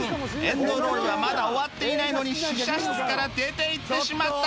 エンドロールはまだ終わっていないのに試写室から出ていってしまった